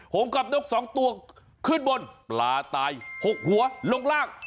งกับนก๒ตัวขึ้นบนปลาตาย๖หัวลงล่าง